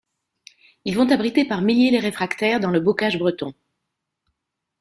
Ils vont abriter par milliers les réfractaires dans le bocage breton.